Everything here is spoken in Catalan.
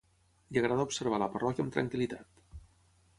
Li agrada observar la parròquia amb tranquil·litat.